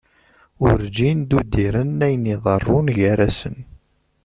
Urǧin d-udiren ayen iḍerrun gar-asen.